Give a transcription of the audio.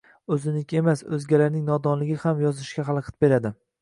O`zingniki emas, o`zgalarning nodonligi ham yozishga xalaqit beradi